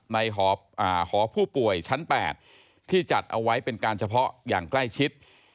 หอผู้ป่วยชั้น๘ที่จัดเอาไว้เป็นการเฉพาะอย่างใกล้ชิด